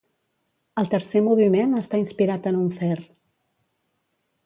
El tercer moviment està inspirat en un fer.